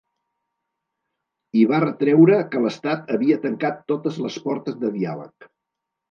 I va retreure que l’estat havia tancat totes les portes de diàleg.